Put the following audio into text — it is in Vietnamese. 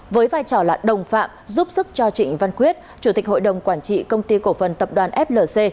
với vai trò là đồng phạm giúp sức cho trịnh văn quyết chủ tịch hội đồng quản trị công ty cổ phần tập đoàn flc